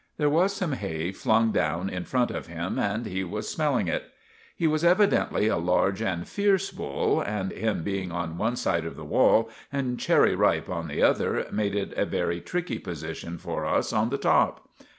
There was some hay flung down in front of him, and he was smelling it. He was evidently a large and fierce bull, and him being on one side of the wall and Cherry Ripe on the other made it a very tricky position for us on the top.